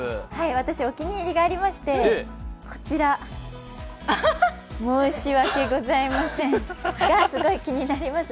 私、お気に入りがありましてこちら、申し訳ございませんがすごい気になります。